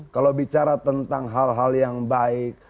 kalau bicara tentang hal hal yang baik